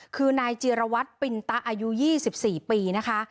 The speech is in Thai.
คือนายจิรวัตรปินตะอายุ๒๔ปีนะคะ